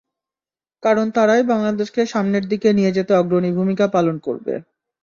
কারণ তারাই বাংলাদেশকে সামনের দিকে নিয়ে যেতে অগ্রণী ভূমিকা পালন করবে।